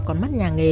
con mắt nhà nghề